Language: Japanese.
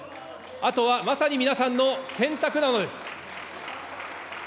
あとはまさに皆さんの選択なのです。